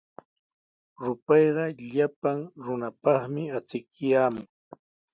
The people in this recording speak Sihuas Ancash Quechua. Rupayqa llapan runapaqmi achikyaamun.